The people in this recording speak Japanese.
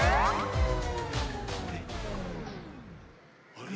あれ？